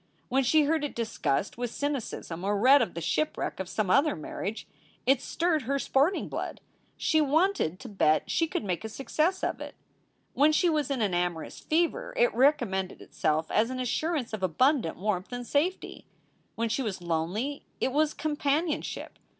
When she heard it discussed with cynicism or read of the shipwreck of some other marriage, it stirred her sporting blood; she wanted to bet she could make a success of it. When she was in an amorous fever it recommended itself as an assurance of abundant warmth and safety. When she was lonely, it was companionship.